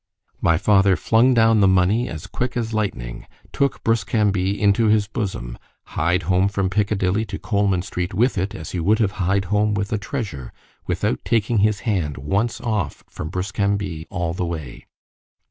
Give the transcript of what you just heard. My father flung down the money as quick as lightning——took Bruscambille into his bosom——hied home from Piccadilly to Coleman street with it, as he would have hied home with a treasure, without taking his hand once off from Bruscambille all the way.